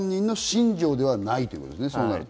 本人の信条ではないということですね。